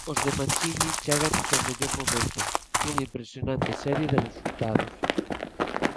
Os de Mancini chegan no seu mellor momento, nunha impresionante serie de resultados.